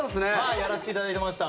やらしていただいてました。